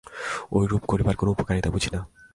ঐরূপ করিবার কোন উপকারিতা বুঝি না।